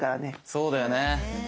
そうだよね。